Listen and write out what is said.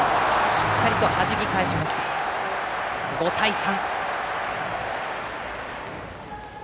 しっかりとはじき返して５対３。